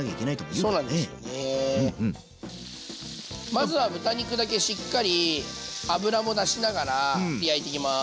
まずは豚肉だけしっかり脂も出しながら焼いていきます。